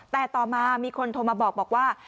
แต่ต่อมามีคนโทรมาบอกว่า